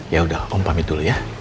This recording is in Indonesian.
yaudah om pamit dulu ya